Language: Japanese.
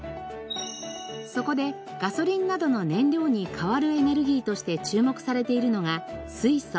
そこでガソリンなどの燃料に代わるエネルギーとして注目されているのが水素。